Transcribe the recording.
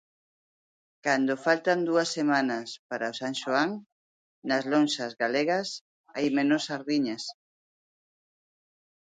Cando faltan dúas semanas para o San Xoán, nas lonxas galegas hai menos sardiñas.